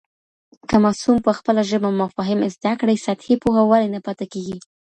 که ماسوم په خپله ژبه مفاهيم زده کړي سطحې پوهه ولې نه پاته کيږي؟